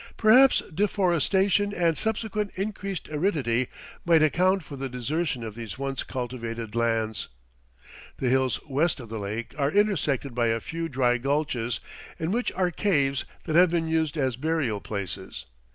Perhaps deforestation and subsequent increased aridity might account for the desertion of these once cultivated lands. The hills west of the lake are intersected by a few dry gulches in which are caves that have been used as burial places.